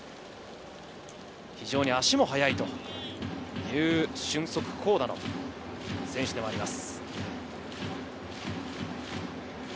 足も速いという俊足・好打の選手でもあります。